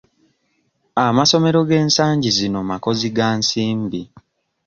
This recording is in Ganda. Amasomero g'ensangi zino makozi ga nsimbi.